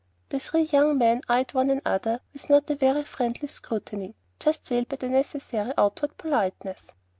The three young men eyed one another with a not very friendly scrutiny, just veiled by the necessary outward politeness.